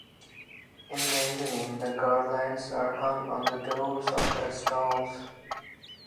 In the evening, the garlands are hung on the doors of the stalls.